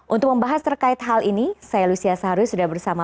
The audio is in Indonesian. untuk membahas terkait hal ini saya lucia saharwi sudah bersama